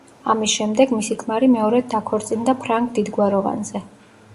ამის შემდეგ მისი ქმარი მეორედ დაქორწინდა ფრანგ დიდგვაროვანზე.